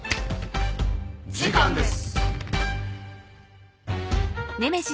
時間です！